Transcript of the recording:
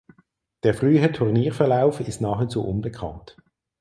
Der frühe Turnierverlauf ist nahezu unbekannt.